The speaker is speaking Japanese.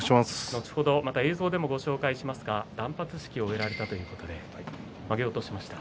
後ほど映像でもご紹介しますが断髪式を終えられてまげを落とされました。